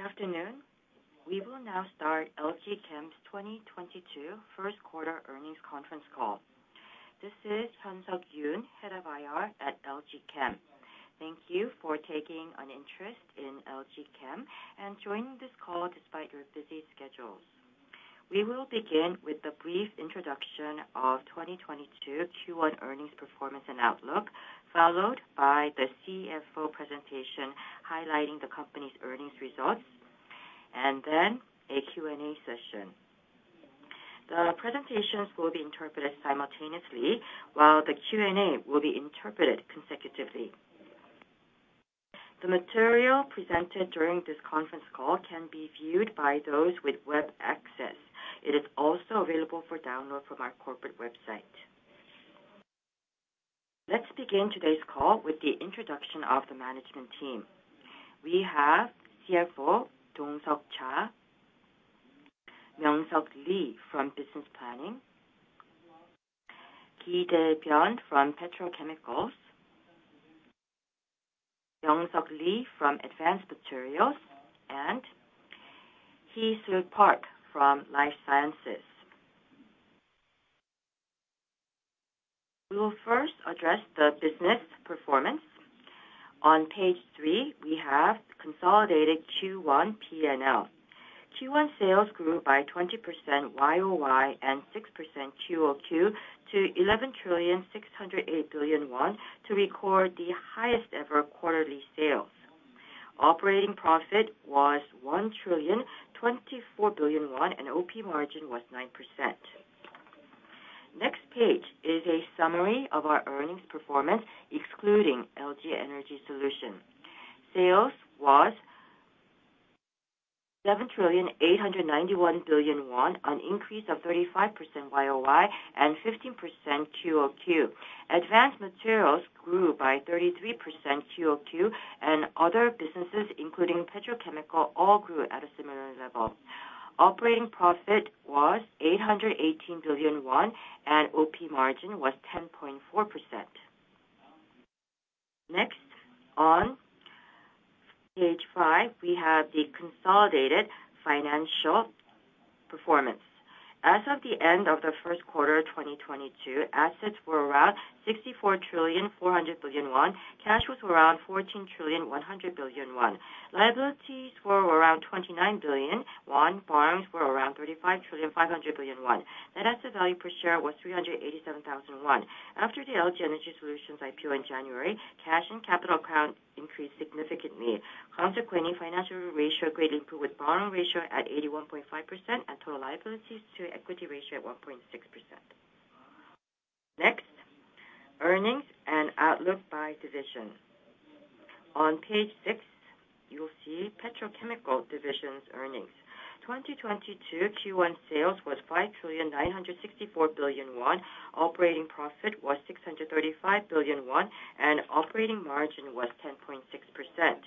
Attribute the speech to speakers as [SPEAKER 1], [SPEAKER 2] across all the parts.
[SPEAKER 1] Good afternoon. We will now start LG Chem's 2022 First Quarter Earnings Conference Call. This is Hyun-Seok Yoon, head of IR at LG Chem. Thank you for taking an interest in LG Chem and joining this call despite your busy schedules. We will begin with a brief introduction of 2022 Q1 earnings performance and outlook, followed by the CFO presentation highlighting the company's earnings results, and then a Q&A session. The presentations will be interpreted simultaneously while the Q&A will be interpreted consecutively. The material presented during this conference call can be viewed by those with web access. It is also available for download from our corporate website. Let's begin today's call with the introduction of the management team. We have CFO Dong-Seok Cha, Myeong-seok Lee from Business Planning, Ki Dae-byeon from Petrochemicals, Young-suk Lee from Advanced Materials, and Heuisul Park from Life Sciences. We will first address the business performance. On page three, we have consolidated Q1 P&L. Q1 sales grew by 20% YOY and 6% QOQ to 11.608 trillion to record the highest ever quarterly sales. Operating profit was 1.024 trillion, and OP margin was 9%. Next page is a summary of our earnings performance, excluding LG Energy Solution. Sales was 7.891 trillion, an increase of 35% YOY and 15% QOQ. Advanced materials grew by 33% QOQ and other businesses, including petrochemical, all grew at a similar level. Operating profit was 818 billion won, and OP margin was 10.4%. Next, on page five, we have the consolidated financial performance. As of the end of the first quarter 2022, assets were around 64.4 trillion. Cash was around 14.1 trillion. Liabilities were around 29 billion won. Bonds were around 35.5 trillion. Net asset value per share was 387,000 won. After the LG Energy Solutions IPO in January, cash and capital accounts increased significantly. Consequently, financial ratio greatly improved with bond ratio at 81.5% and total liabilities to equity ratio at 1.6%. Next, earnings and outlook by division. On page six, you'll see Petrochemical division's earnings. 2022 Q1 sales was 5.964 trillion. Operating profit was 635 billion won, and operating margin was 10.6%.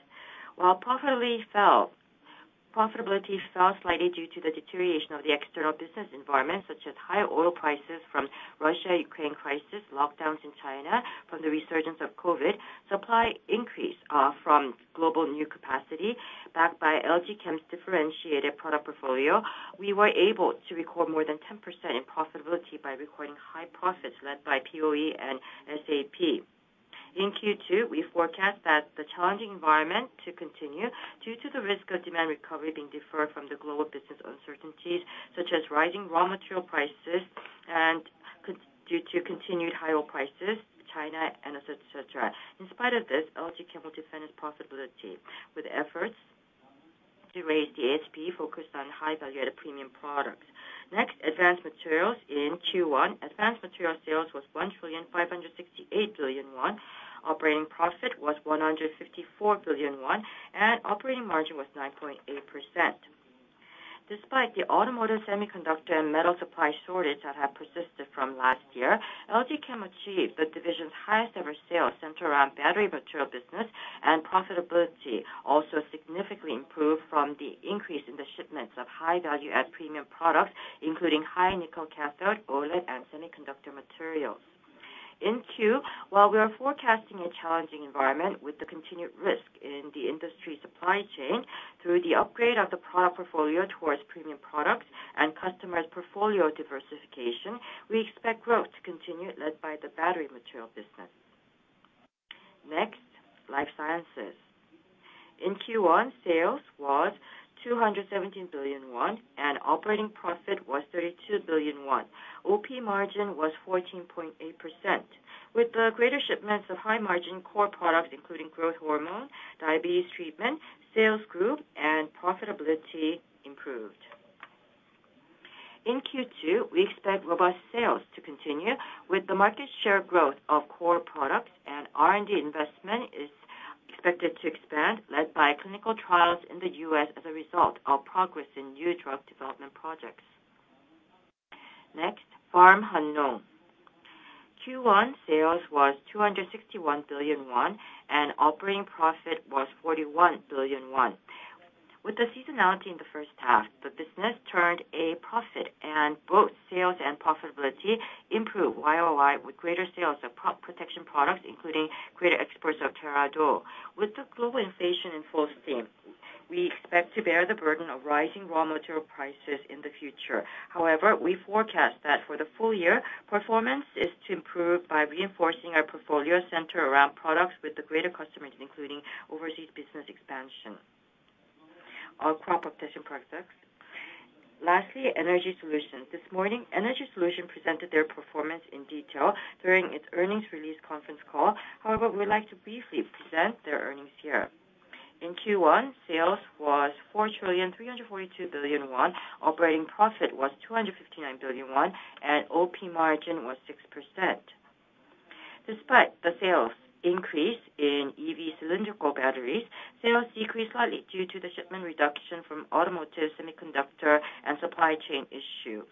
[SPEAKER 1] Profitability fell slightly due to the deterioration of the external business environment, such as high oil prices from Russia-Ukraine crisis, lockdowns in China from the resurgence of COVID, supply increase from global new capacity backed by LG Chem's differentiated product portfolio, we were able to record more than 10% in profitability by recording high profits led by POE and SAP. In Q2, we forecast that the challenging environment to continue due to the risk of demand recovery being deferred from the global business uncertainties such as rising raw material prices and due to continued high oil prices, China, and et cetera. In spite of this, LG Chem will defend its possibility with efforts to raise the HP focused on high value-added premium products. Next, Advanced Materials in Q1. Advanced Materials sales was 1.568 trillion. Operating profit was 154 billion won, and operating margin was 9.8%. Despite the automotive semiconductor and metal supply shortage that has persisted from last year, LG Chem achieved the division's highest ever sales centered around battery material business and profitability also significantly improved from the increase in the shipments of high value-add premium products, including high nickel cathode, OLED, and semiconductor materials. In Q2, while we are forecasting a challenging environment with the continued risk in the industry supply chain through the upgrade of the product portfolio towards premium products and customized portfolio diversification, we expect growth to continue led by the battery material business. Next, Life Sciences. In Q1, sales was 217 billion won, and operating profit was 32 billion won. OP margin was 14.8%. With the greater shipments of high-margin core products including growth hormone, diabetes treatment, sales grew and profitability improved. In Q2, we expect robust sales to continue with the market share growth of core products and R&D investment is expected to expand, led by clinical trials in the U.S. as a result of progress in new drug development projects. Next, FarmHannong. Q1 sales was 261 billion won, and operating profit was 41 billion won. With the seasonality in the first half, the business turned a profit and both sales and profitability improved YOY with greater sales of crop protection products, including greater exports of Terrad'or. With the global inflation in full swing. We expect to bear the burden of rising raw material prices in the future. However, we forecast that for the full year, performance is to improve by reinforcing our portfolio center around products with the greater customers, including overseas business expansion. Our crop protection products. Lastly, Energy Solution. This morning, Energy Solution presented their performance in detail during its earnings release conference call. However, we'd like to briefly present their earnings here. In Q1, sales was 4.342 trillion. Operating profit was 259 billion won, and OP margin was 6%. Despite the sales increase in EV cylindrical batteries, sales decreased slightly due to the shipment reduction from automotive, semiconductor, and supply chain issue.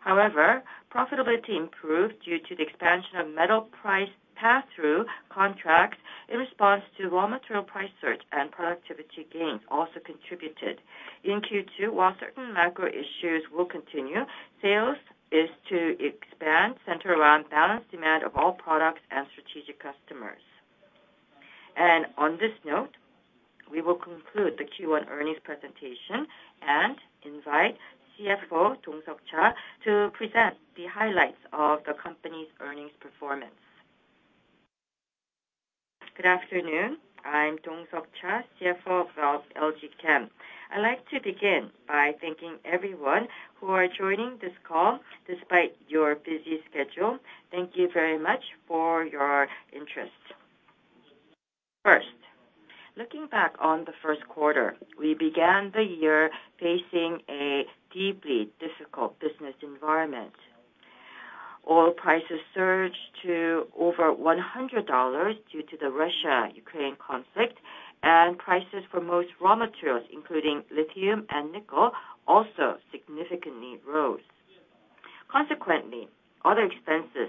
[SPEAKER 1] However, profitability improved due to the expansion of metal price pass-through contracts in response to raw material price surge, and productivity gains also contributed. In Q2, while certain macro issues will continue, sales is to expand, centered around balanced demand of all products and strategic customers. On this note, we will conclude the Q1 earnings presentation and invite CFO Dong-Seok Cha to present the highlights of the company's earnings performance.
[SPEAKER 2] Good afternoon. I'm Dong-Seok Cha, CFO of LG Chem. I'd like to begin by thanking everyone who are joining this call despite your busy schedule. Thank you very much for your interest. First, looking back on the first quarter, we began the year facing a deeply difficult business environment. Oil prices surged to over $100 due to the Russia-Ukraine conflict, and prices for most raw materials, including lithium and nickel, also significantly rose. Consequently, other expenses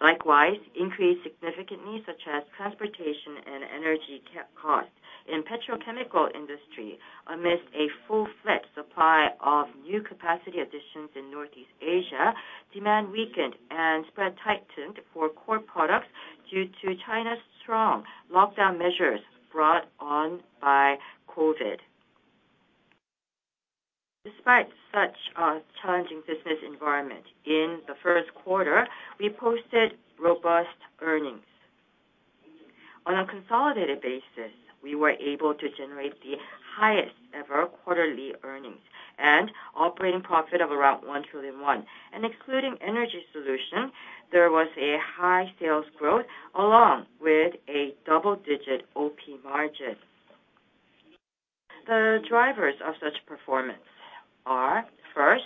[SPEAKER 2] likewise increased significantly, such as transportation and energy cost. In the petrochemical industry, amidst a full-fledged supply of new capacity additions in Northeast Asia, demand weakened and spread tightened for core products due to China's strong lockdown measures brought on by COVID. Despite such a challenging business environment, in the first quarter, we posted robust earnings. On a consolidated basis, we were able to generate the highest ever quarterly earnings and operating profit of around 1 trillion won. Excluding Energy Solution, there was high sales growth along with a double-digit OP margin. The drivers of such performance are, first,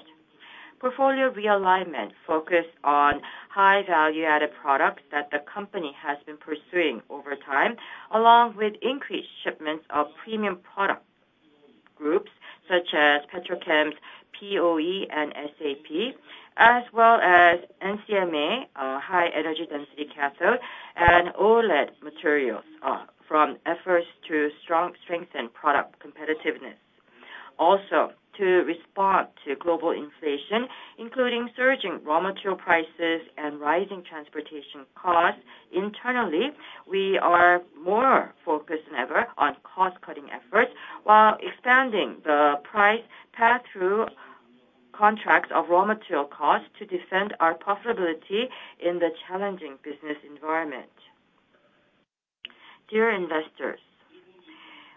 [SPEAKER 2] portfolio realignment focused on high value-added products that the company has been pursuing over time, along with increased shipments of premium product groups such as Petrochem's POE and SAP, as well as NCMA high energy density cathode, and OLED materials from efforts to strengthen product competitiveness. Also, to respond to global inflation, including surging raw material prices and rising transportation costs, internally, we are more focused than ever on cost-cutting efforts while expanding the price pass-through contracts of raw material costs to defend our profitability in the challenging business environment. Dear investors,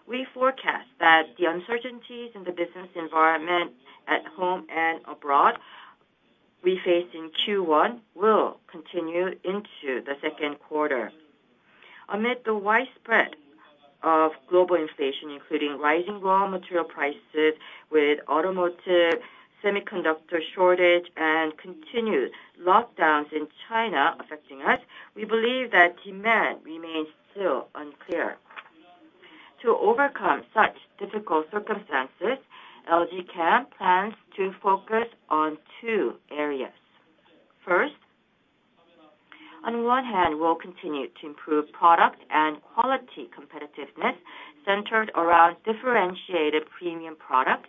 [SPEAKER 2] we forecast that the uncertainties in the business environment at home and abroad we face in Q1 will continue into the second quarter. Amid the spread of global inflation, including rising raw material prices with automotive, semiconductor shortage, and continued lockdowns in China affecting us, we believe that demand remains still unclear. To overcome such difficult circumstances, LG Chem plans to focus on two areas. First, on one hand, we'll continue to improve product and quality competitiveness centered around differentiated premium products.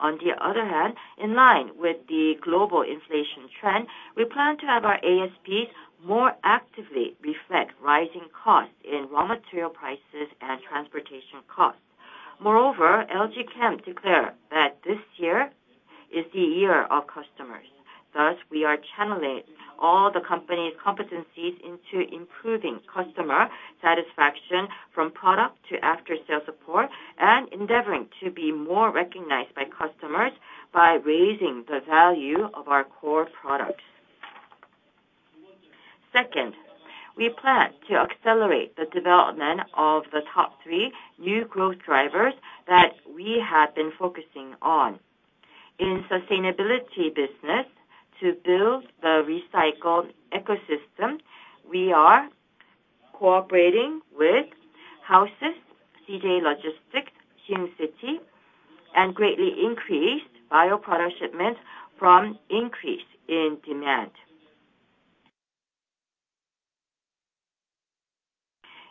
[SPEAKER 2] On the other hand, in line with the global inflation trend, we plan to have our ASPs more actively reflect rising costs in raw material prices and transportation costs. Moreover, LG Chem declare that this year is the year of customers. Thus, we are channeling all the company's competencies into improving customer satisfaction from product to after-sale support and endeavoring to be more recognized by customers by raising the value of our core products. Second, we plan to accelerate the development of the top three new growth drivers that we have been focusing on. In sustainability business to build the recycled ecosystem, we are cooperating with houses, CJ Logistics, Shinsegae, and greatly increased bioproduct shipment from increase in demand.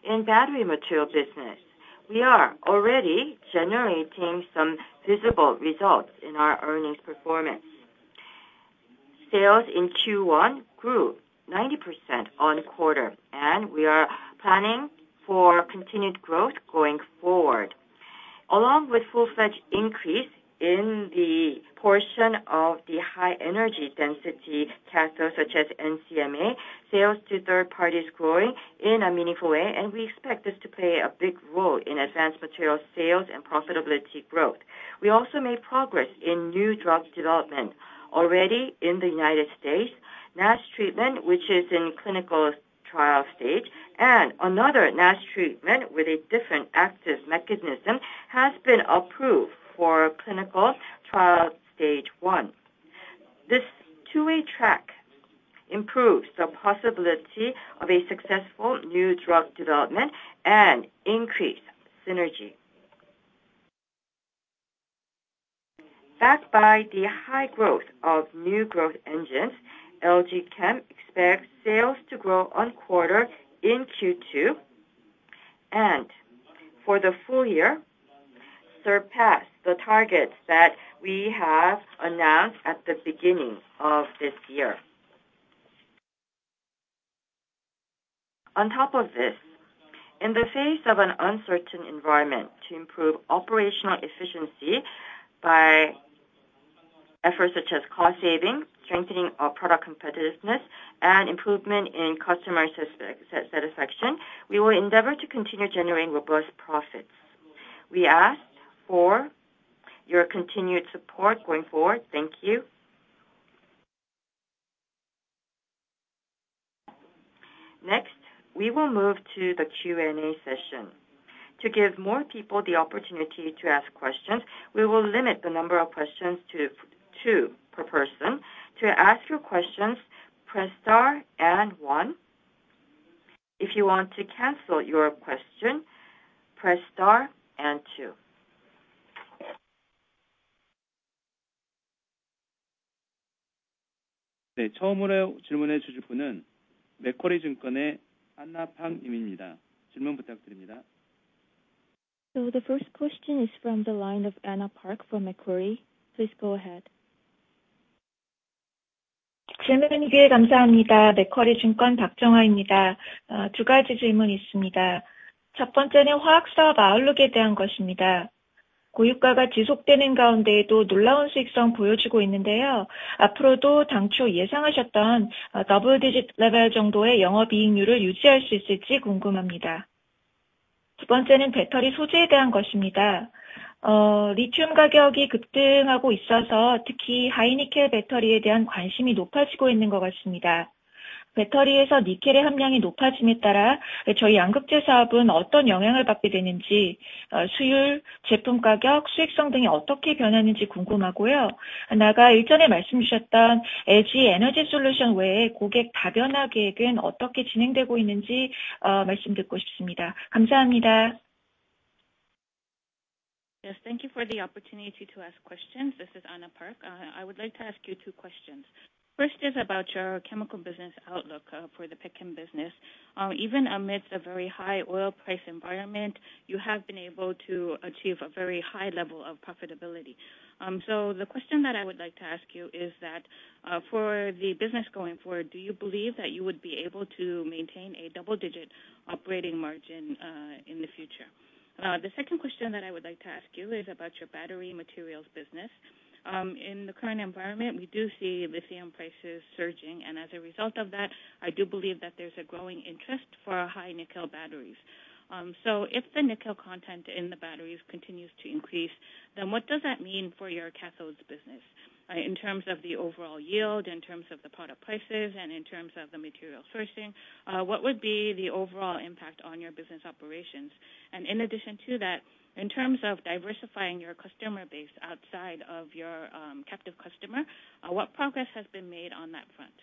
[SPEAKER 2] In battery material business, we are already generating some visible results in our earnings performance. Sales in Q1 grew 90% on quarter, and we are planning for continued growth going forward. Along with full-fledged increase in the portion of the high energy density cathode such as NCMA, sales to third party is growing in a meaningful way, and we expect this to play a big role in advanced material sales and profitability growth. We also made progress in new drugs development. Already in the United States, NASH treatment, which is in clinical trial phase, and another NASH treatment with a different active mechanism, has been approved for clinical trial phase I. This two-way track improves the possibility of a successful new drug development and increased synergy. Backed by the high growth of new growth engines, LG Chem expects sales to grow on quarter in Q2, and for the full year surpass the targets that we have announced at the beginning of this year. On top of this, in the face of an uncertain environment to improve operational efficiency by efforts such as cost saving, strengthening our product competitiveness, and improvement in customer satisfaction, we will endeavor to continue generating robust profits. We ask for your continued support going forward.
[SPEAKER 3] Thank you. Next, we will move to the Q&A session. To give more people the opportunity to ask questions, we will limit the number of questions to two per person. To ask your questions, press star and one. If you want to cancel your question, press star and two. The first question is from the line of Anna Park from Macquarie. Please go ahead.
[SPEAKER 4] Yes, thank you for the opportunity to ask questions. This is Anna Park. I would like to ask you two questions. First is about your chemical business outlook for the petchem business. Even amidst a very high oil price environment, you have been able to achieve a very high level of profitability. The question that I would like to ask you is that for the business going forward, do you believe that you would be able to maintain a double-digit operating margin in the future? The second question that I would like to ask you is about your battery materials business. In the current environment, we do see lithium prices surging, and as a result of that, I do believe that there's a growing interest for high-nickel batteries. If the nickel content in the batteries continues to increase, then what does that mean for your cathodes business, in terms of the overall yield, in terms of the product prices, and in terms of the material sourcing? What would be the overall impact on your business operations? In addition to that, in terms of diversifying your customer base outside of your, captive customer, what progress has been made on that front?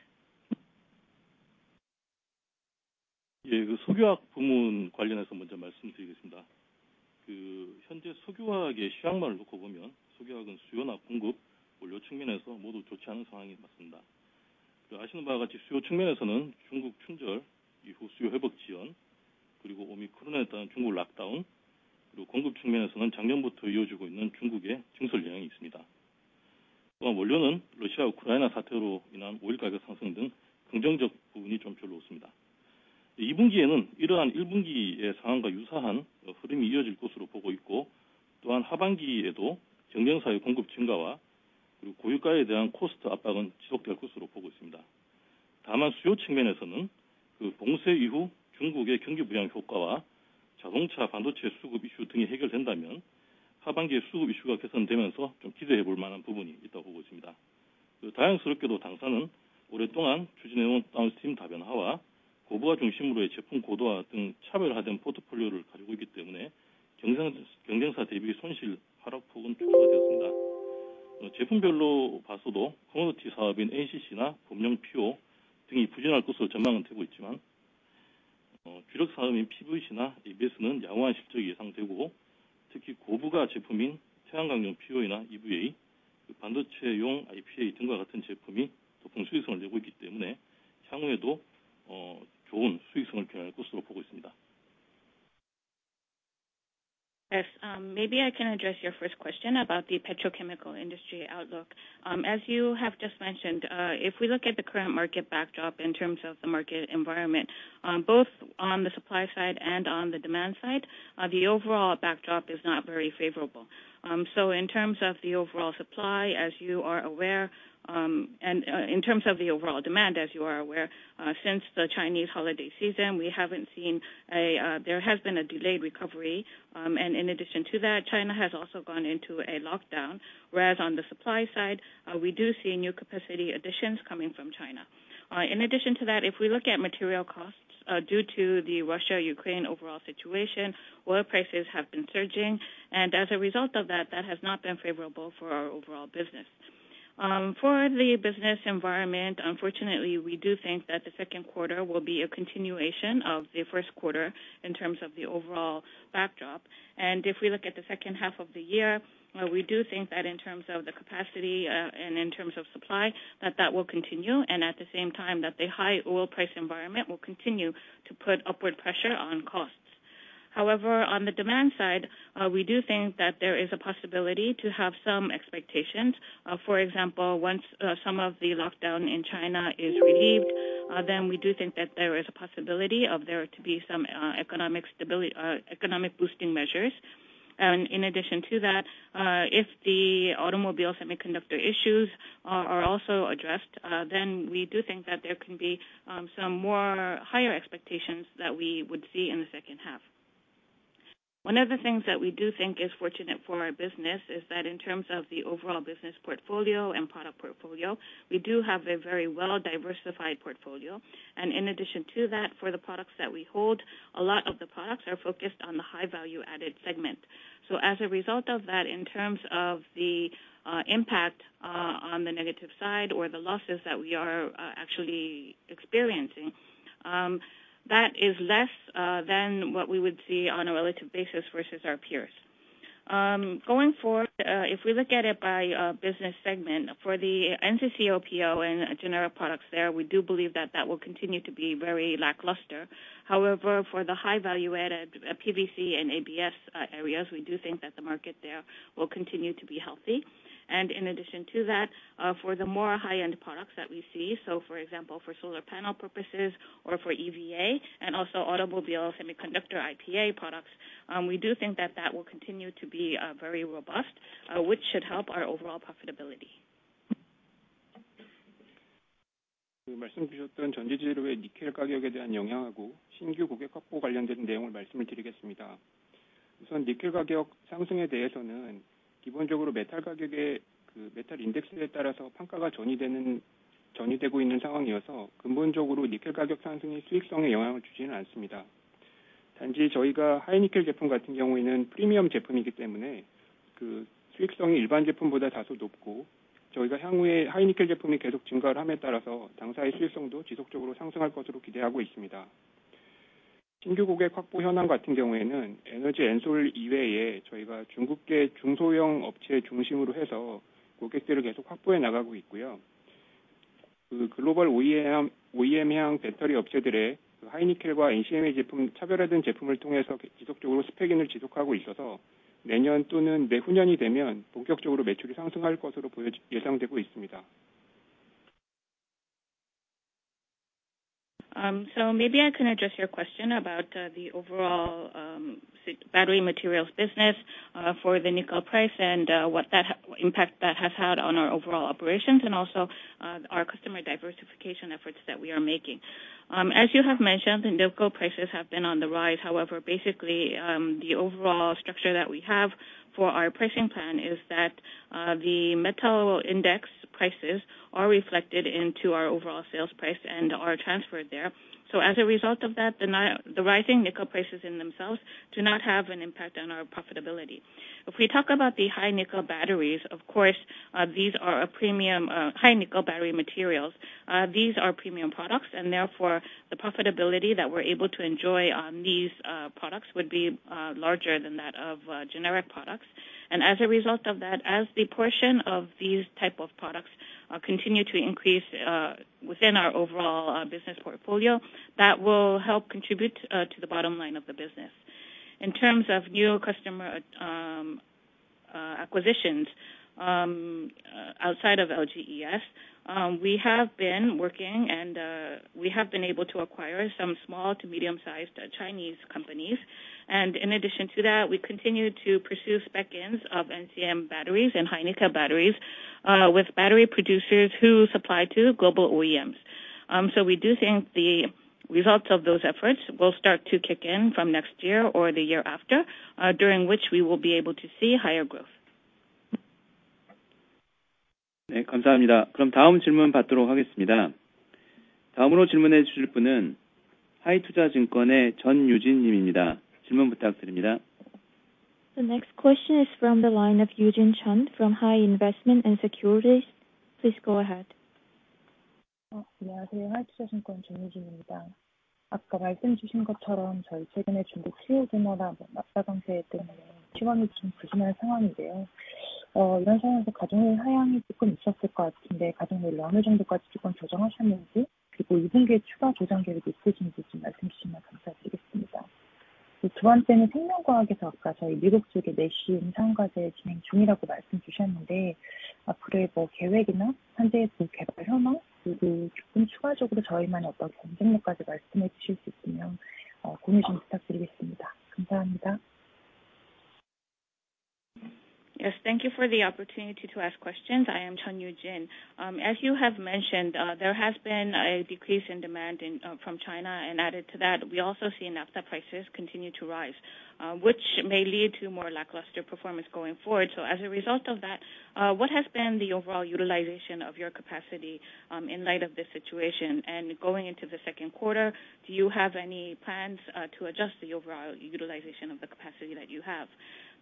[SPEAKER 5] Yes. Maybe I can address your first question about the petrochemical industry outlook. As you have just mentioned, if we look at the current market backdrop in terms of the market environment, both on the supply side and on the demand side, the overall backdrop is not very favorable. In terms of the overall supply, as you are aware, in terms of the overall demand, as you are aware, since the Chinese holiday season, there has been a delayed recovery. In addition to that, China has also gone into a lockdown, whereas on the supply side, we do see new capacity additions coming from China. In addition to that, if we look at material costs, due to the Russia-Ukraine overall situation, oil prices have been surging, and as a result of that has not been favorable for our overall business. For the business environment, unfortunately, we do think that the second quarter will be a continuation of the first quarter in terms of the overall backdrop. If we look at the second half of the year, well, we do think that in terms of the capacity and in terms of supply, that will continue, and at the same time that the high oil price environment will continue to put upward pressure on costs. However, on the demand side, we do think that there is a possibility to have some expectations. For example, once some of the lockdown in China is relieved, then we do think that there is a possibility of there to be some economic boosting measures. In addition to that, if the automobile semiconductor issues are also addressed, then we do think that there can be some more higher expectations that we would see in the second half. One of the things that we do think is fortunate for our business is that in terms of the overall business portfolio and product portfolio, we do have a very well-diversified portfolio. In addition to that, for the products that we hold, a lot of the products are focused on the high value-added segment. As a result of that, in terms of the impact on the negative side or the losses that we are actually experiencing, that is less than what we would see on a relative basis versus our peers. Going forward, if we look at it by business segment, for the NCC, PO, and generic products there, we do believe that that will continue to be very lackluster. However, for the high value-added PVC and ABS areas, we do think that the market there will continue to be healthy. In addition to that, for the more high-end products that we see, so for example, for solar panel purposes or for EVA, and also automobile semiconductor IPA products, we do think that that will continue to be very robust, which should help our overall profitability.
[SPEAKER 6] Maybe I can address your question about the overall battery materials business, for the nickel price and what that impact that has had on our overall operations and also our customer diversification efforts that we are making. As you have mentioned, the nickel prices have been on the rise. However, basically, the overall structure that we have for our pricing plan is that, the metal index prices are reflected into our overall sales price and are transferred there. As a result of that, the rising nickel prices in themselves do not have an impact on our profitability. If we talk about the high nickel batteries, of course, these are a premium, high nickel battery materials. These are premium products, and therefore the profitability that we're able to enjoy on these, products would be, larger than that of, generic products. As a result of that, as the portion of these type of products, continue to increase, within our overall, business portfolio, that will help contribute, to the bottom line of the business. In terms of new customer acquisitions outside of LGES, we have been working and we have been able to acquire some small to medium-sized Chinese companies. In addition to that, we continue to pursue spec-ins of NCM batteries and high nickel batteries with battery producers who supply to global OEMs. We do think the results of those efforts will start to kick in from next year or the year after, during which we will be able to see higher growth.
[SPEAKER 3] The next question is from the line of Yu-Jin Chun from Hi Investment & Securities. Please go ahead.
[SPEAKER 7] Yes, thank you for the opportunity to ask questions. I am Chun Yujin. As you have mentioned, there has been a decrease in demand from China. Added to that, we also see naphtha prices continue to rise, which may lead to more lackluster performance going forward. As a result of that, what has been the overall utilization of your capacity, in light of this situation? Going into the second quarter, do you have any plans, to adjust the overall utilization of the capacity that you have?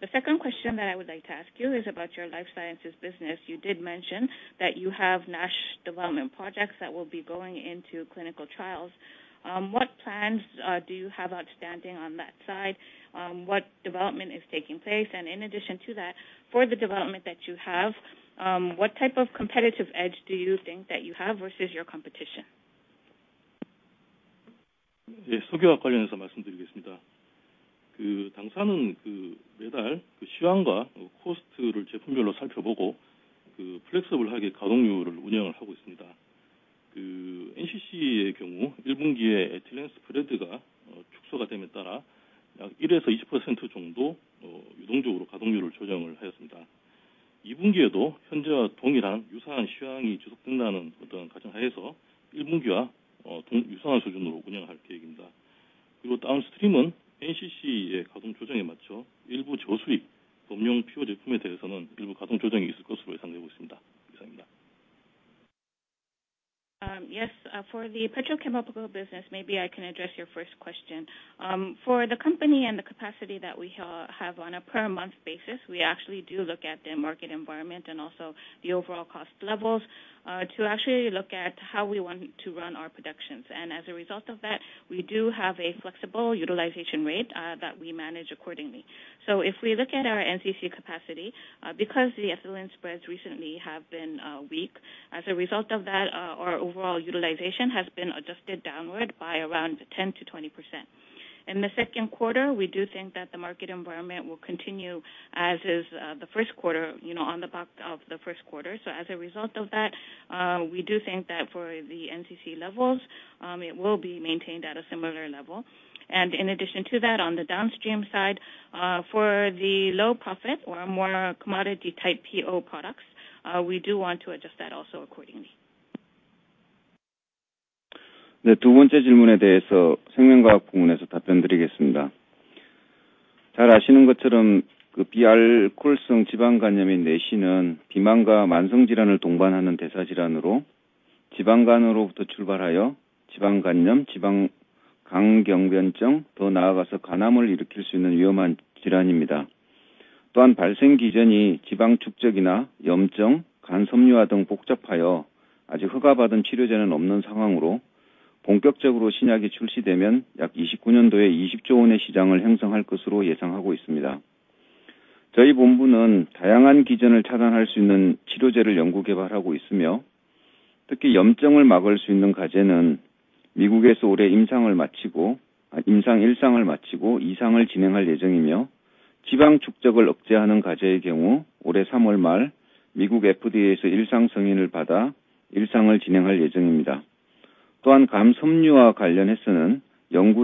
[SPEAKER 7] The second question that I would like to ask you is about your life sciences business. You did mention that you have NASH development projects that will be going into clinical trials. What plans do you have outstanding on that side? What development is taking place? In addition to that, for the development that you have, what type of competitive edge do you think that you have versus your competition?
[SPEAKER 5] Yes. For the petrochemical business, maybe I can address your first question. For the company and the capacity that we have on a per month basis, we actually do look at the market environment and also the overall cost levels, to actually look at how we want to run our productions. As a result of that, we do have a flexible utilization rate, that we manage accordingly. If we look at our NCC capacity, because the ethylene spreads recently have been weak, as a result of that, our overall utilization has been adjusted downward by around 10%-20%. In the second quarter, we do think that the market environment will continue as is, the first quarter, you know, on the back of the first quarter. As a result of that, we do think that for the NCC levels, it will be maintained at a similar level. In addition to that, on the downstream side, for the low profit or more commodity type PO products, we do want to adjust that also accordingly.
[SPEAKER 8] To address your second question, for NASH or non-alcoholic steatohepatitis,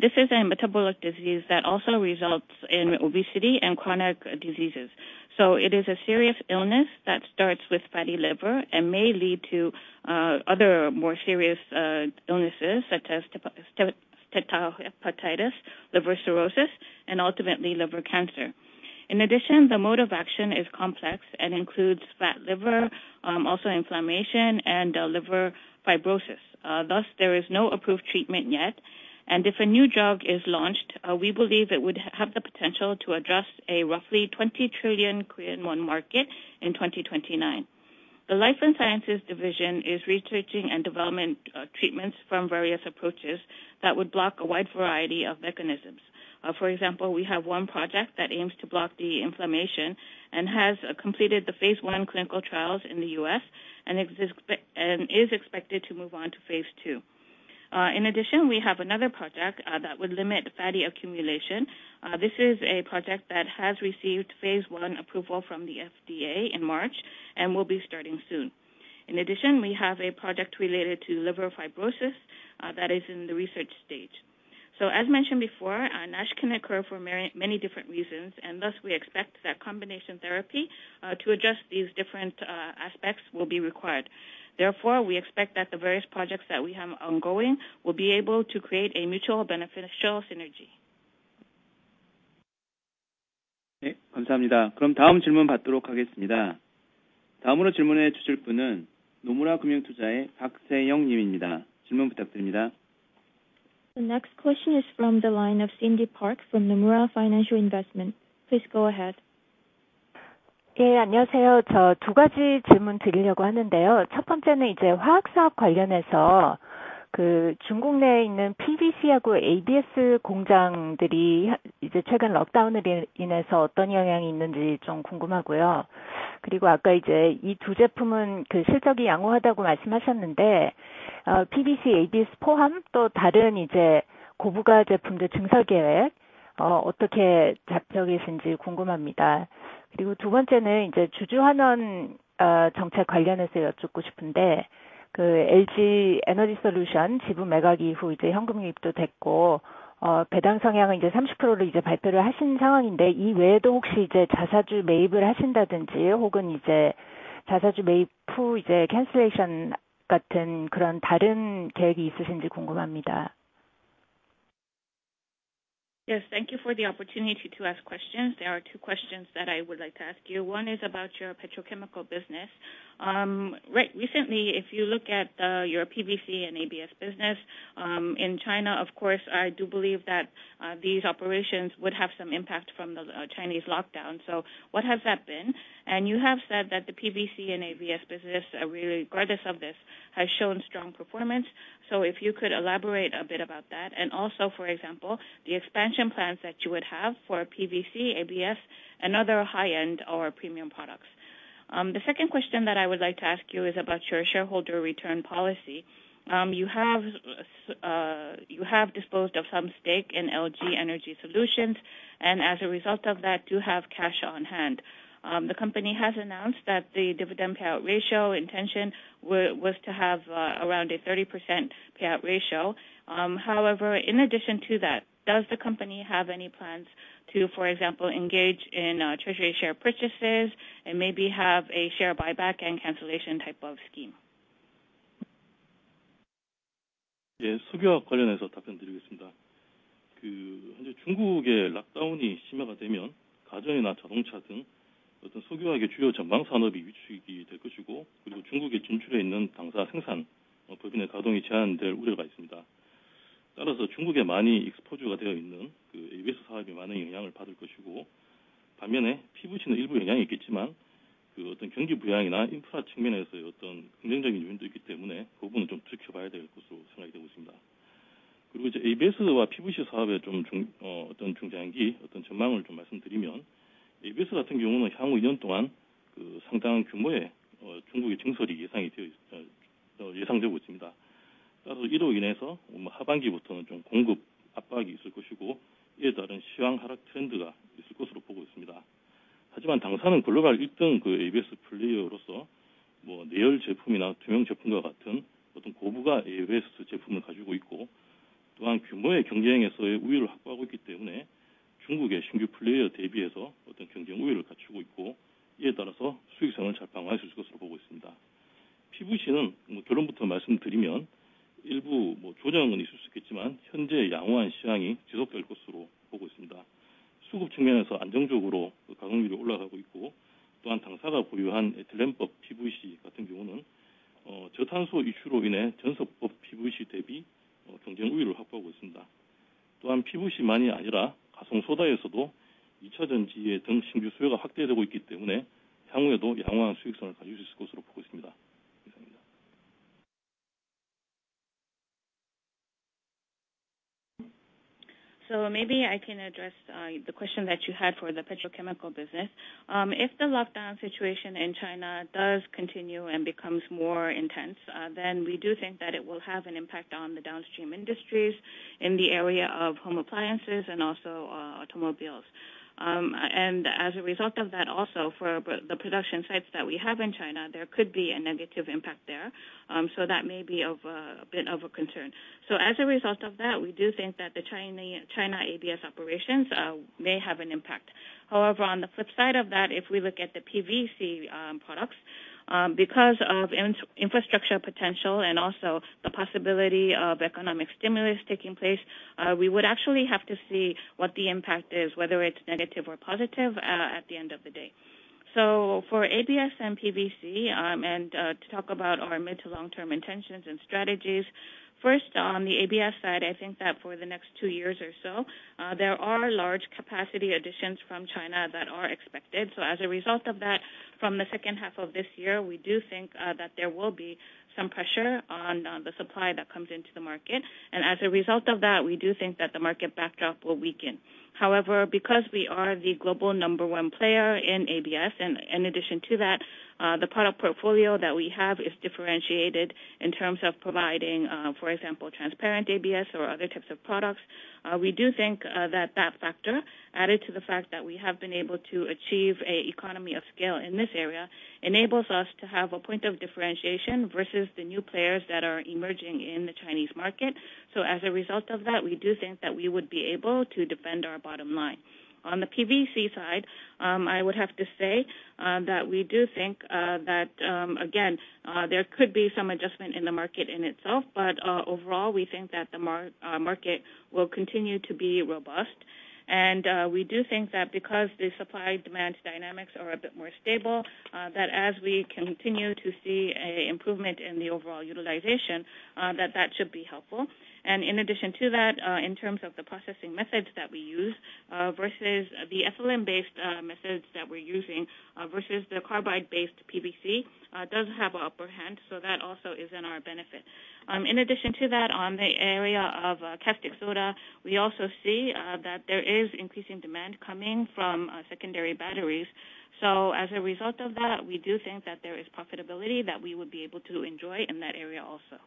[SPEAKER 8] this is a metabolic disease that also results in obesity and chronic diseases. It is a serious illness that starts with fatty liver and may lead to other more serious illnesses such as steatohepatitis, liver cirrhosis, and ultimately liver cancer. In addition, the mode of action is complex and includes fatty liver, also inflammation and liver fibrosis. Thus there is no approved treatment yet. If a new drug is launched, we believe it would have the potential to address a roughly 20 trillion Korean won market in 2029. The Life Sciences division is researching and developing treatments from various approaches that would block a wide variety of mechanisms. For example, we have one project that aims to block the inflammation and has completed the phase I clinical trials in the U.S. and is expected to move on to phase II. In addition, we have another project that would limit fatty accumulation. This is a project that has received phase I approval from the FDA in March and will be starting soon. In addition, we have a project related to liver fibrosis, that is in the research stage. As mentioned before, NASH can occur for many different reasons, and thus we expect that combination therapy to address these different aspects will be required. Therefore, we expect that the various projects that we have ongoing will be able to create a mutual beneficial synergy.
[SPEAKER 3] 네, 감사합니다. 그럼 다음 질문 받도록 하겠습니다. 다음으로 질문해 주실 분은 Nomura Financial Investment의 박세영 님입니다. 질문 부탁드립니다.
[SPEAKER 9] The next question is from the line of Cindy Park from Nomura Financial Investment. Please go ahead.
[SPEAKER 10] 두 가지 질문드리려고 하는데요. 첫 번째는 화학 사업 관련해서 중국 내에 있는 PVC하고 ABS 공장들이 최근 락다운으로 인해서 어떤 영향이 있는지 궁금하고요. 아까 이두 제품은 실적이 양호하다고 말씀하셨는데, PVC, ABS 포함 또 다른 고부가 제품들 증설 계획이 어떻게 잡혀 계신지 궁금합니다. 두 번째는 주주환원 정책 관련해서 여쭙고 싶은데, LG 에너지 솔루션 지분 매각 이후 현금 유입도 됐고, 배당 성향을 30%로 발표를 하신 상황인데, 이 외에도 혹시 자사주 매입을 하신다든지 혹은 자사주 매입 후 cancellation 같은 다른 계획이 있으신지 궁금합니다.
[SPEAKER 9] Yes. Thank you for the opportunity to ask questions. There are two questions that I would like to ask you. One is about your petrochemical business. Recently, if you look at your PVC and ABS business in China, of course, I do believe that these operations would have some impact from the Chinese lockdown. What has that been? You have said that the PVC and ABS business, regardless of this, has shown strong performance. If you could elaborate a bit about that. Also, for example, the expansion plans that you would have for PVC, ABS and other high-end or premium products. The second question that I would like to ask you is about your shareholder return policy. You have disposed of some stake in LG Energy Solution, and as a result of that, do have cash on hand. The company has announced that the dividend payout ratio intention was to have around 30% payout ratio. However, in addition to that, does the company have any plans to, for example, engage in treasury share purchases and maybe have a share buyback and cancellation type of scheme?
[SPEAKER 5] 수기화학 관련해서 답변드리겠습니다. 현재 중국의 락다운이 심화가 되면 가전이나 자동차 등 수기화학의 주요 전방 산업이 위축이 될 것이고, 중국에 진출해 있는 당사 생산 법인의 가동이 제한될 우려가 있습니다. 따라서 중국에 많이 exposure가 되어 있는 ABS 사업이 많은 영향을 받을 것이고, 반면에 PVC는 일부 영향이 있겠지만 경기 부양이나 인프라 측면에서의 긍정적인 요인도 있기 때문에 그 부분은 좀 지켜봐야 될 것으로 생각이 되고 있습니다. ABS와 PVC 사업의 중장기 전망을 말씀드리면, ABS 같은 경우는 향후 2년 동안 상당한 규모의 중국의 증설이 예상되고 있습니다. 따라서 이로 인해서 하반기부터는 좀 공급 압박이 있을 것이고, 이에 따른 시황 하락 트렌드가 있을 것으로 보고 있습니다. 하지만 당사는 글로벌 일등 ABS 플레이어로서 내열 제품이나 투명 제품과 같은 고부가 ABS 제품을 가지고 있고, 또한 규모의 경제에서의 우위를 확보하고 있기 때문에 중국의 신규 플레이어 대비해서 경쟁 우위를 갖추고 있고, 이에 따라서 수익성을 잘 방어할 수 있을 것으로 보고 있습니다. PVC는 결론부터 말씀드리면 일부 조정은 있을 수 있겠지만 현재 양호한 시장이 지속될 것으로 보고 있습니다. 수급 측면에서 안정적으로 가격이 올라가고 있고, 또한 당사가 보유한 에틸렌법 PVC 같은 경우는 저탄소 이슈로 인해 전석법 PVC 대비 경쟁 우위를 확보하고 있습니다. 또한 PVC만이 아니라 가성소다에서도 이차전지의 전신규 수요가 확대되고 있기 때문에 향후에도 양호한 수익성을 가지실 수 있을 것으로 보고 있습니다. 이상입니다.
[SPEAKER 9] Maybe I can address the question that you had for the petrochemical business. If the lockdown situation in China does continue and becomes more intense, then we do think that it will have an impact on the downstream industries in the area of home appliances and also automobiles. And as a result of that, also for the production sites that we have in China, there could be a negative impact there. That may be of a bit of a concern. As a result of that, we do think that the China ABS operations may have an impact. However, on the flip side of that, if we look at the PVC products, because of infrastructure potential and also the possibility of economic stimulus taking place, we would actually have to see what the impact is, whether it's negative or positive, at the end of the day. For ABS and PVC, to talk about our mid to long-term intentions and strategies, first, on the ABS side, I think that for the next two years or so, there are large capacity additions from China that are expected. As a result of that, from the second half of this year, we do think that there will be some pressure on the supply that comes into the market. As a result of that, we do think that the market backdrop will weaken. However, because we are the global number one player in ABS, and in addition to that, the product portfolio that we have is differentiated in terms of providing, for example, transparent ABS or other types of products. We do think that that factor, added to the fact that we have been able to achieve an economy of scale in this area, enables us to have a point of differentiation versus the new players that are emerging in the Chinese market. As a result of that, we do think that we would be able to defend our bottom line. On the PVC side, I would have to say that we do think that again there could be some adjustment in the market in itself, but overall, we think that the market will continue to be robust. We do think that because the supply-demand dynamics are a bit more stable, that as we continue to see an improvement in the overall utilization, that should be helpful. In addition to that, in terms of the processing methods that we use versus the ethylene-based methods that we're using versus the carbide-based PVC, does have an upper hand, so that also is in our benefit. In addition to that, in the area of caustic soda, we also see that there is increasing demand coming from secondary batteries. As a result of that, we do think that there is profitability that we would be able to enjoy in that area also.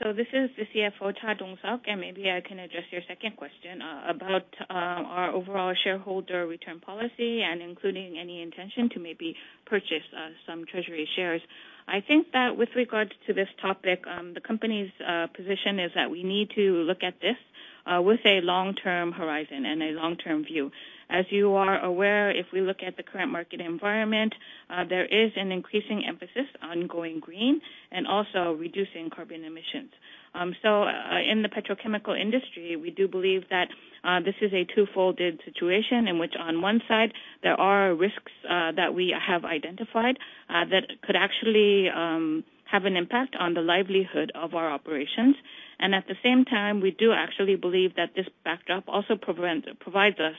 [SPEAKER 2] This is the CFO, Cha Dong-Seok, and maybe I can address your second question about our overall shareholder return policy and including any intention to maybe purchase some treasury shares. I think that with regards to this topic, the company's position is that we need to look at this with a long-term horizon and a long-term view. As you are aware, if we look at the current market environment, there is an increasing emphasis on going green and also reducing carbon emissions. In the petrochemical industry, we do believe that this is a two-folded situation in which on one side there are risks that we have identified that could actually have an impact on the livelihood of our operations. At the same time, we do actually believe that this backdrop also provides us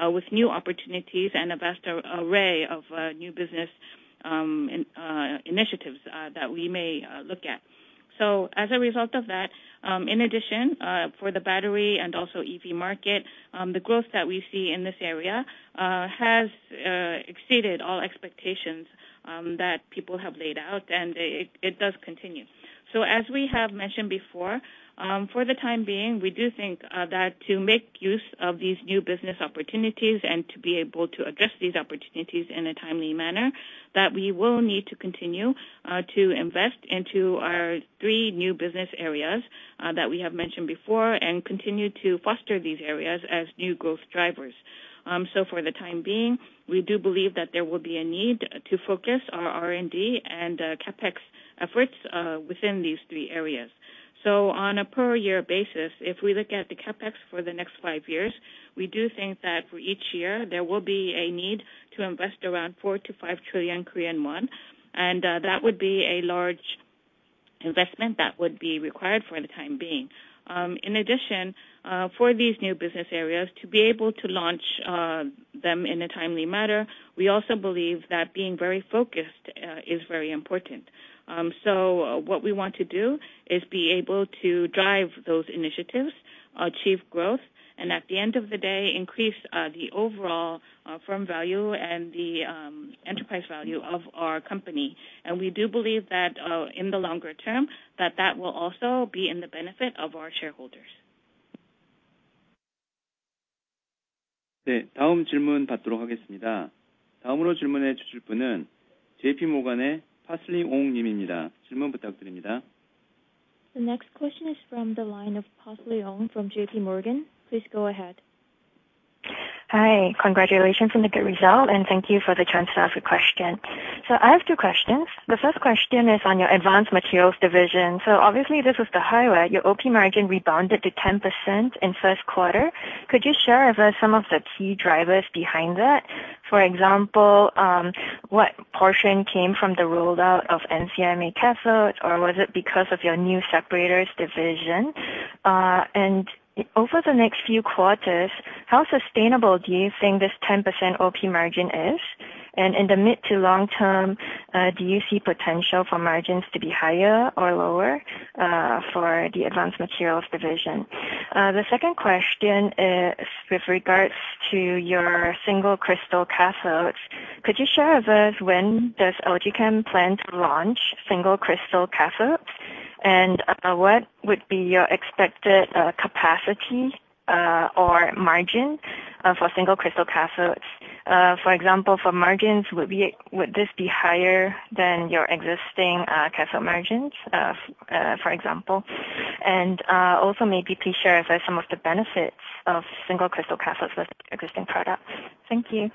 [SPEAKER 2] with new opportunities and a vast array of new business initiatives that we may look at. As a result of that, in addition, for the battery and also EV market, the growth that we see in this area has exceeded all expectations that people have laid out, and it does continue. As we have mentioned before, for the time being, we do think that to make use of these new business opportunities and to be able to address these opportunities in a timely manner, that we will need to continue to invest into our three new business areas that we have mentioned before and continue to foster these areas as new growth drivers. For the time being, we do believe that there will be a need to focus our R&D and CapEx efforts within these three areas. On a per year basis, if we look at the CapEx for the next five years, we do think that for each year there will be a need to invest around 4 trillion-5 trillion Korean won. That would be a large investment that would be required for the time being. In addition, for these new business areas to be able to launch them in a timely manner, we also believe that being very focused is very important. What we want to do is be able to drive those initiatives, achieve growth, and at the end of the day, increase the overall firm value and the enterprise value of our company. We do believe that in the longer term that that will also be in the benefit of our shareholders.
[SPEAKER 3] The next question is from the line of Parsley Ong from JPMorgan. Please go ahead.
[SPEAKER 11] Hi, congratulations on the good result, thank you for the chance to ask a question. I have two questions. The first question is on your advanced materials division. Obviously, this was the highlight, your OP margin rebounded to 10% in first quarter. Could you share with us some of the key drivers behind that? For example, what portion came from the rollout of NCMA cathodes, or was it because of your new separators division? Over the next few quarters, how sustainable do you think this 10% OP margin is? In the mid to long term, do you see potential for margins to be higher or lower for the advanced materials division? The second question is with regards to your single crystal cathodes. Could you share with us when does LG Chem plan to launch single crystal cathodes? What would be your expected capacity or margin for single crystal cathodes? For example, for margins, would this be higher than your existing cathode margins, for example? Also maybe please share with us some of the benefits of single crystal cathodes with existing products. Thank you.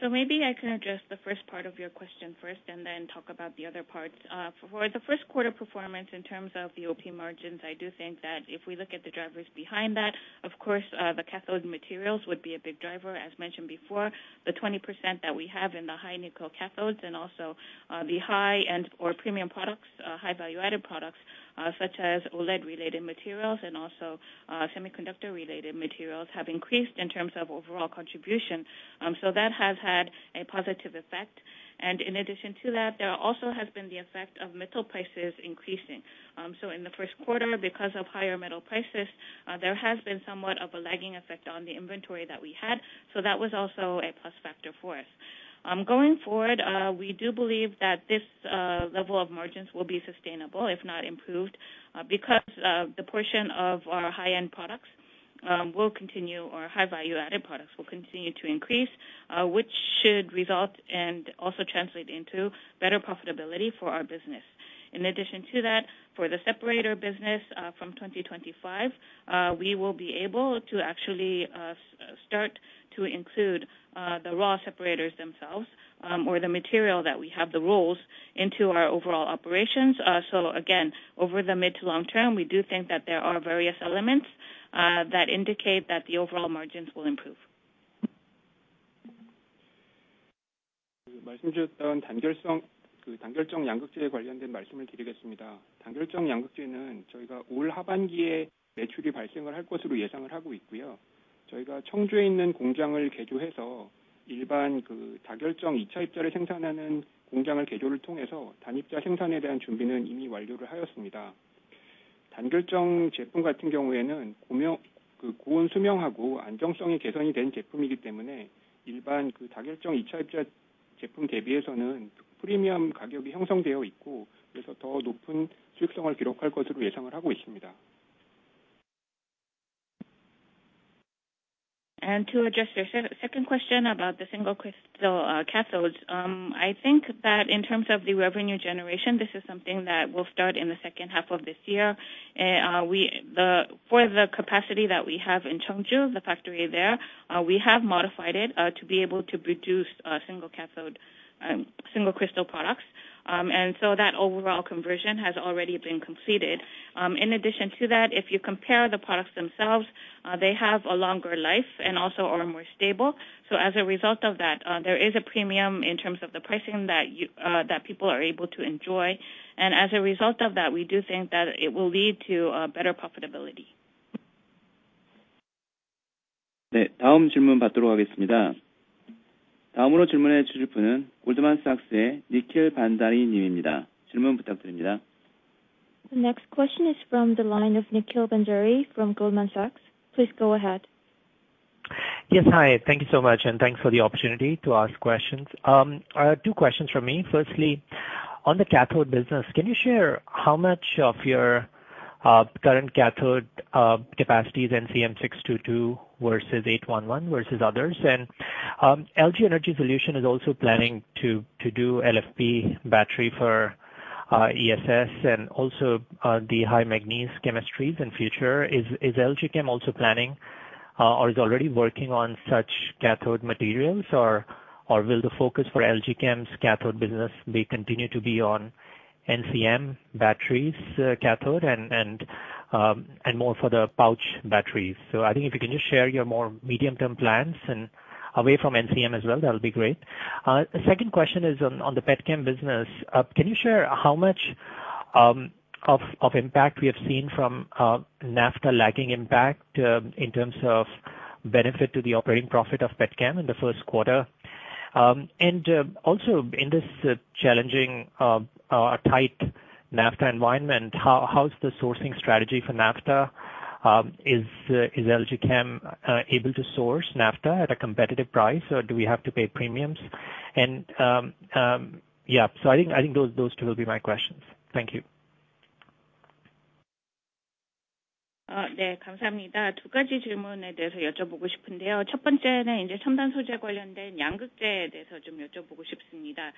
[SPEAKER 6] So maybe I can address the first part of your question first, and then talk about the other parts. For the first quarter performance, in terms of the OP margins, I do think that if we look at the drivers behind that, of course, the cathode materials would be a big driver, as mentioned before, the 20% that we have in the high nickel cathodes, and also, the high-end or premium products, high value-added products, such as OLED related materials and also, semiconductor related materials have increased in terms of overall contribution. So that has had a positive effect. In addition to that, there also has been the effect of metal prices increasing. In the first quarter, because of higher metal prices, there has been somewhat of a lagging effect on the inventory that we had. That was also a plus factor for us. Going forward, we do believe that this level of margins will be sustainable, if not improved, because of the portion of our high-end products will continue or high value-added products will continue to increase, which should result and also translate into better profitability for our business. In addition to that, for the separator business, from 2025, we will be able to actually start to include the raw separators themselves, or the material that we have the rolls into our overall operations. Again, over the mid- to long-term, we do think that there are various elements that indicate that the overall margins will improve. 저희가 청주에 있는 공장을 개조해서 일반 그 다결정 이차 입자를 생산하는 공장을 개조를 통해서 단입자 생산에 대한 준비는 이미 완료를 하였습니다. 단결정 제품 같은 경우에는 고온 수명하고 안정성이 개선이 된 제품이기 때문에 일반 그 다결정 이차 입자 제품 대비해서는 프리미엄 가격이 형성되어 있고, 그래서 더 높은 수익성을 기록할 것으로 예상을 하고 있습니다.
[SPEAKER 9] To address your second question about the single crystal cathodes. I think that in terms of the revenue generation, this is something that will start in the second half of this year. For the capacity that we have in Cheongju, the factory there, we have modified it to be able to produce single cathode, single crystal products. That overall conversion has already been completed. In addition to that, if you compare the products themselves, they have a longer life and also are more stable. As a result of that, there is a premium in terms of the pricing that you, that people are able to enjoy. As a result of that, we do think that it will lead to better profitability.
[SPEAKER 3] 네, 다음 질문 받도록 하겠습니다. 다음으로 질문해주실 분은 골드만 삭스의 니킬 반다리님입니다. 질문 부탁드립니다.
[SPEAKER 9] The next question is from the line of Nikhil Bhandari from Goldman Sachs. Please go ahead.
[SPEAKER 12] Yes. Hi. Thank you so much, and thanks for the opportunity to ask questions. Two questions from me. Firstly, on the cathode business, can you share how much of your current cathode capacity is NCM 622 versus 811 versus others? LG Energy Solution is also planning to do LFP battery for ESS and also the high manganese chemistries in future. Is LG Chem also planning or is already working on such cathode materials? Or will the focus for LG Chem's cathode business be continue to be on NCM batteries cathode and more for the pouch batteries? I think if you can just share your more medium term plans and away from NCM as well, that'll be great. Second question is on the Petchem business. Can you share how much of impact we have seen from naphtha lagging impact in terms of benefit to the operating profit of Petchem in the first quarter? Also in this challenging tight naphtha environment, how's the sourcing strategy for naphtha? Is LG Chem able to source naphtha at a competitive price, or do we have to pay premiums? Yeah. I think those two will be my questions. Thank you.
[SPEAKER 9] 감사합니다. 두 가지 질문에 대해서 여쭤보고 싶은데요. 첫 번째는 첨단소재 관련된 양극재에 대해서 좀 여쭤보고 싶습니다.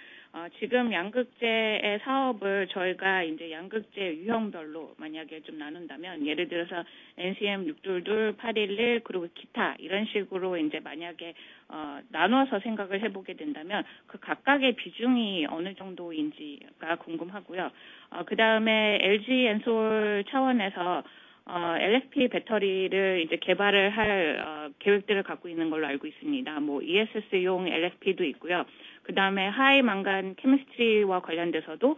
[SPEAKER 9] 지금 양극재의 사업을 저희가 양극재 유형별로 만약에 좀 나눈다면, 예를 들어서 NCM 622, 811 그리고 기타 이런 식으로 만약에 나눠서 생각을 해보게 된다면 그 각각의 비중이 어느 정도인지가 궁금하고요. 그다음에 LG Ensol 차원에서 LFP 배터리를 개발을 할 계획들을 갖고 있는 걸로 알고 있습니다. ESS용 LFP도 있고요. 그다음에 high manganese chemistry와 관련돼서도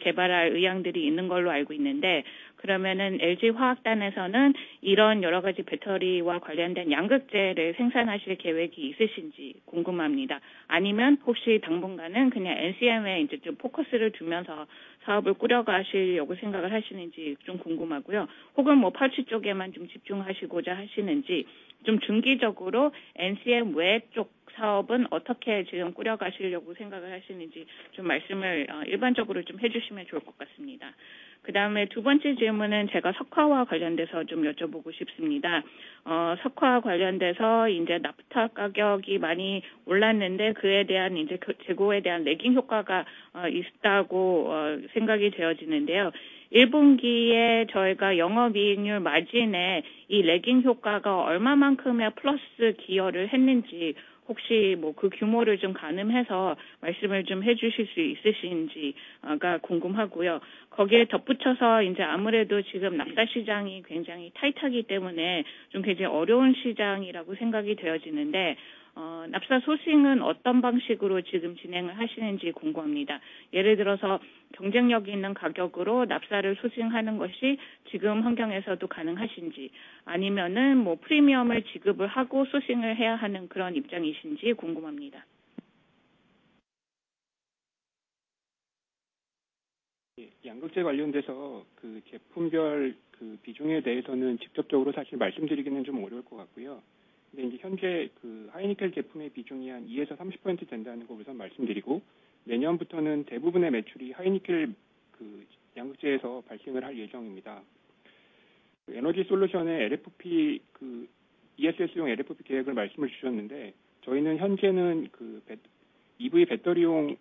[SPEAKER 9] 개발할 의향들이 있는 걸로 알고 있는데, 그러면은 LG 화학단에서는 이런 여러 가지 배터리와 관련된 양극재를 생산하실 계획이 있으신지 궁금합니다. 아니면 혹시 당분간은 그냥 NCM에 좀 포커스를 두면서 사업을 꾸려가시려고 생각을 하시는지 좀 궁금하고요. 혹은 pouch 쪽에만 좀 집중하시고자 하시는지, 좀 중기적으로 NCM 외쪽 사업은 어떻게 지금 꾸려가시려고 생각을 하시는지 좀 일반적으로 말씀해주시면 좋을 것 같습니다. 그다음에 두 번째 질문은 석화와 관련돼서 좀 여쭤보고 싶습니다. 석화 관련돼서 이제 나프타 가격이 많이 올랐는데 그에 대한 이제 그 재고에 대한 래깅 효과가 있다고 생각이 되어지는데요. 일분기에 저희가 영업이익률 마진에 이 래깅 효과가 얼마만큼의 플러스 기여를 했는지, 혹시 뭐그 규모를 좀 가늠해서 말씀을 좀 해주실 수 있으신지가 궁금하고요. 거기에 덧붙여서 이제 아무래도 지금 납사 시장이 굉장히 타이트하기 때문에 좀 굉장히 어려운 시장이라고 생각이 되어지는데, 납사 소싱은 어떤 방식으로 지금 진행을 하시는지 궁금합니다. 예를 들어서 경쟁력 있는 가격으로 납사를 소싱하는 것이 지금 환경에서도 가능하신지, 아니면은 뭐 프리미엄을 지급을 하고 소싱을 해야 하는 그런 입장이신지 궁금합니다. 예, 양극재 관련돼서 그 제품별
[SPEAKER 6] 그 비중에 대해서는 직접적으로 사실 말씀드리기는 좀 어려울 것 같고요. 근데 이제 현재 그 high nickel 제품의 비중이 한 20~30%가 된다는 거 우선 말씀드리고, 내년부터는 대부분의 매출이 high nickel 그 양극재에서 발생을 할 예정입니다. 에너지 솔루션의 LFP, ESS용 LFP 계획을 말씀을 주셨는데, 저희는 현재는 EV 배터리용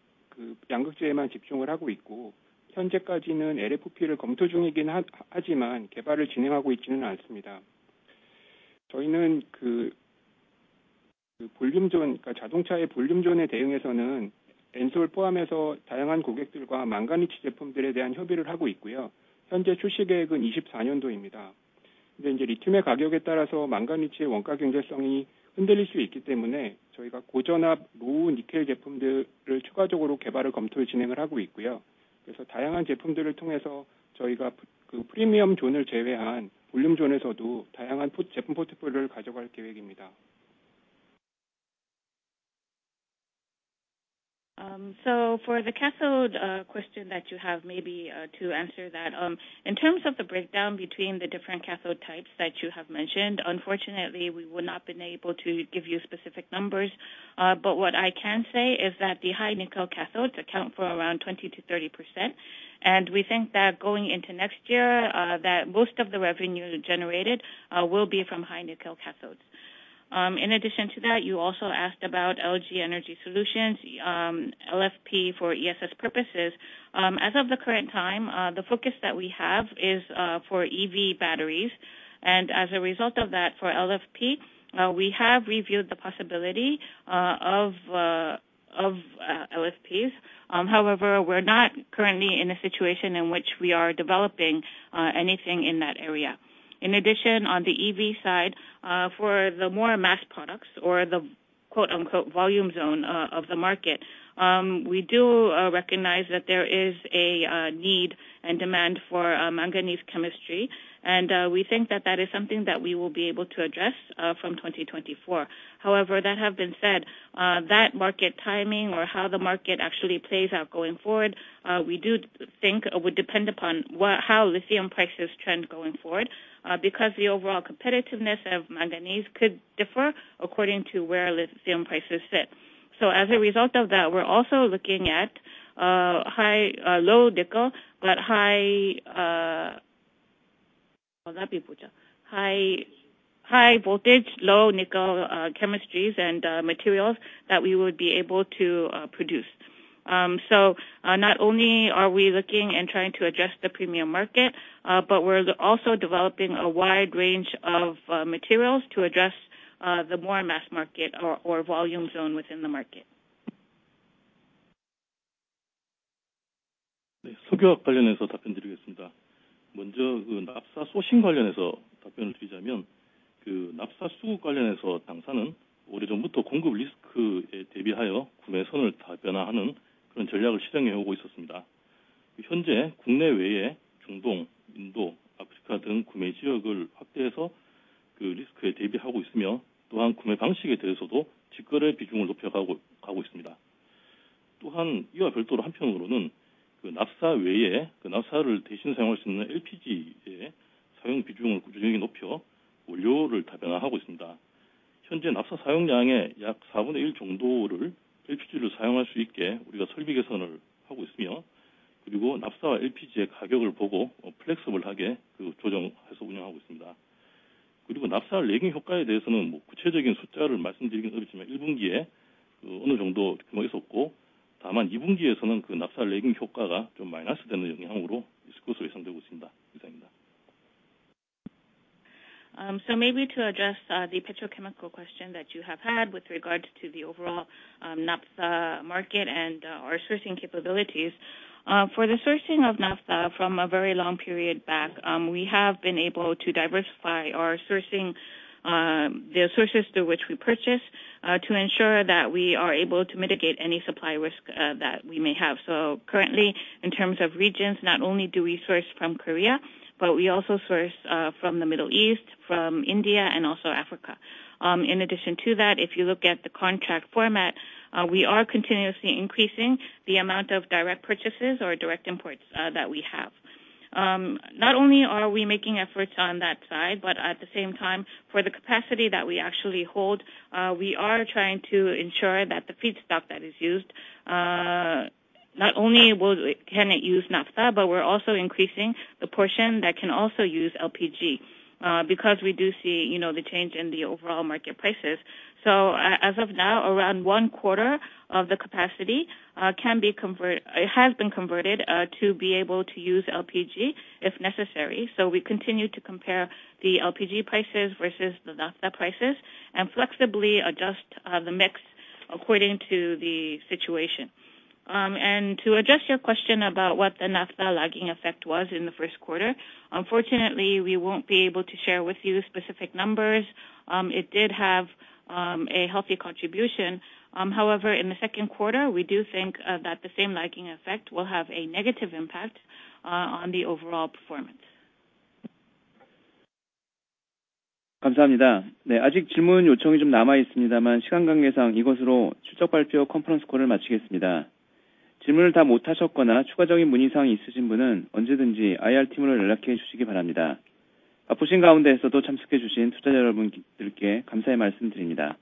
[SPEAKER 6] 양극재에만 집중을 하고 있고, 현재까지는 LFP를 검토 중이긴 하지만 개발을 진행하고 있지는 않습니다. 저희는 volume zone, 그러니까 자동차의 volume zone에 대응해서는 Ensol 포함해서 다양한 고객들과 manganese 제품들에 대한 협의를 하고 있고요. 현재 출시 계획은 2024년도입니다. 근데 이제 리튬의 가격에 따라서 manganese의 원가 경쟁성이 흔들릴 수 있기 때문에 저희가 고전압 low nickel 제품들을 추가적으로 개발을 검토해 진행을 하고 있고요.
[SPEAKER 9] For the cathode question that you have, maybe to answer that, in terms of the breakdown between the different cathode types that you have mentioned, unfortunately, we would not been able to give you specific numbers. What I can say is that the high nickel cathodes account for around 20%-30%, and we think that going into next year, that most of the revenue generated will be from high nickel cathodes. In addition to that, you also asked about LG Energy Solution, LFP for ESS purposes. As of the current time, the focus that we have is for EV batteries, and as a result of that, for LFP, we have reviewed the possibility of LFPs. However, we're not currently in a situation in which we are developing anything in that area. In addition, on the EV side, for the more mass products or the quote, unquote, "volume zone," of the market, we do recognize that there is a need and demand for manganese chemistry, and we think that is something that we will be able to address from 2024. However, that having been said, the market timing or how the market actually plays out going forward, we do think it would depend upon how lithium prices trend going forward, because the overall competitiveness of manganese could differ according to where lithium prices sit. As a result of that, we're also looking at high, low nickel but, high voltage low nickel chemistries and materials that we would be able to produce. Not only are we looking and trying to address the premium market, but we're also developing a wide range of materials to address the more mass market or volume zone within the market.
[SPEAKER 5] Maybe to address the petrochemical question that you have had with regard to the overall naphtha market and our sourcing capabilities. For the sourcing of naphtha from a very long period back, we have been able to diversify our sourcing, the sources through which we purchase, to ensure that we are able to mitigate any supply risk that we may have. Currently, in terms of regions, not only do we source from Korea, but we also source from the Middle East, from India, and also Africa. In addition to that, if you look at the contract format, we are continuously increasing the amount of direct purchases or direct imports that we have. Not only are we making efforts on that side, but at the same time, for the capacity that we actually hold, we are trying to ensure that the feedstock that is used, not only can it use naphtha, but we're also increasing the portion that can also use LPG, because we do see, you know, the change in the overall market prices. As of now, around one-quarter of the capacity has been converted to be able to use LPG, if necessary. We continue to compare the LPG prices versus the naphtha prices and flexibly adjust the mix according to the situation. To address your question about what the naphtha lagging effect was in the first quarter, unfortunately, we won't be able to share with you specific numbers. It did have a healthy contribution. However, in the second quarter, we do think that the same lagging effect will have a negative impact on the overall performance.